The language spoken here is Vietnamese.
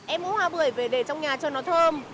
em mua hoa bưởi về để trong nhà cho nó thơm